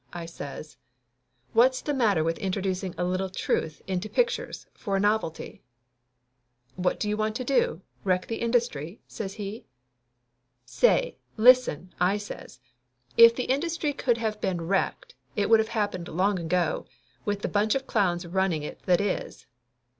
I says. "What's the matter with introducing a little truth into pictures for a novelty?" "What do you want to do wreck the. industry?" says he. "Say, listen !" I says. "If the industry could of been wrecked it would of happened long ago, with the bunch of clowns running it that is!